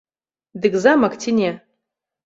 Дык замак ці не?